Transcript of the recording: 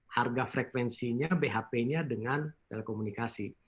harga frekuensinya bhp nya dengan telekomunikasi